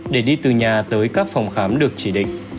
để đi từ nhà tới các phòng khám được chỉ định